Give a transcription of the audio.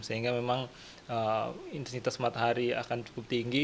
sehingga memang intensitas matahari akan cukup tinggi